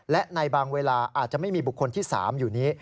และในบางเวลาอาจจะไม่มีบุคคลที่๓อยู่นี้